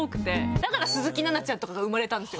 だから鈴木奈々ちゃんとかが生まれたんですよ。